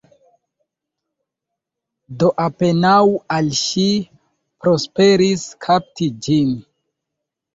Do apenaŭ al ŝi prosperis kapti ĝin.